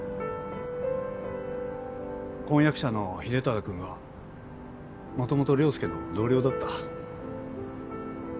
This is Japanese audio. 婚約者の秀忠くんはもともと亮介の同僚だった。